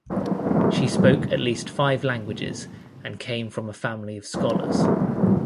She spoke at least five languages and came from a family of scholars.